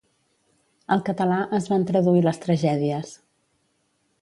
Al català, es van traduir les tragèdies.